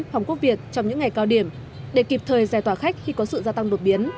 hoàng quốc việt trong những ngày cao điểm để kịp thời giải tỏa khách khi có sự gia tăng đột biến